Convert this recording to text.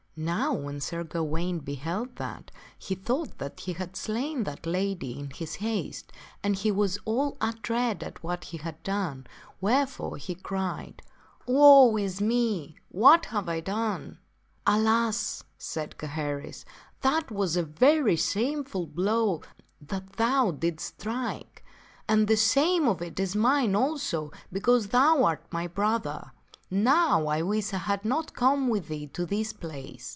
Now when Sir Gawaine beheld that, he thought that he had slain that lady in his haste, and he was all a dread at what he had done, wherefore he cried, " Woe is me ! what have I done ?" "Alas!" said Gaheris, "that was a very shameful blow that thou didst strike; and the shame of it is mine also because thou art my brother. Now I wish I had not come with thee to this place."